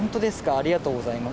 ありがとうございます。